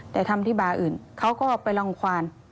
แต่ทำที่บาร์อื่นเขาก็ไปรังความ